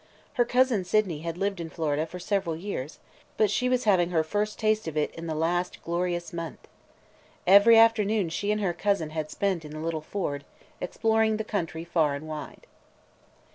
Her cousin Sydney had lived in Florida for several years, but she was having her first taste of it in the last glorious month. Every afternoon she and her cousin had spent in the little Ford, exploring the country far and wide.